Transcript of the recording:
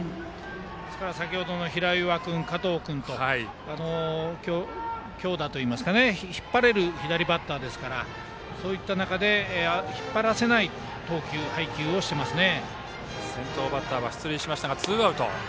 先程の平岩君、加藤君と引っ張れる左バッターですからそういった中で引っ張らせない投球、配球をしていますね。